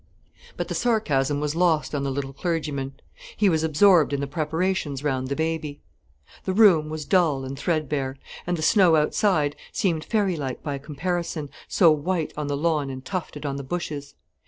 But the sarcasm was lost on the little clergyman. He was absorbed in the preparations round the baby. The room was dull and threadbare, and the snow outside seemed fairy like by comparison, so white on the lawn and tufted on the bushes.